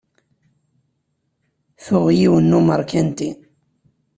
Tuɣ yiwen n Umarikani.